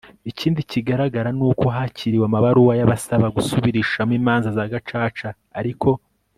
Ikindi kigaragara n uko hakiriwe amabaruwa y abasaba gusubirishamo imanza za Gacaca ariko